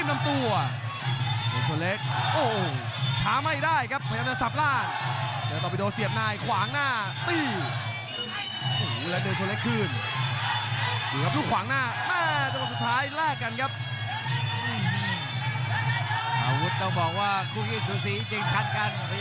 พยายามจะเร่งเก่งครับเดินชนเล็กเจอแข้งขวาของต้อมพิโดย์